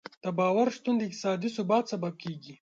د باور شتون د اقتصادي ثبات سبب کېږي.